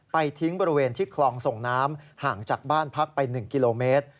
ทิ้งบริเวณที่คลองส่งน้ำห่างจากบ้านพักไป๑กิโลเมตร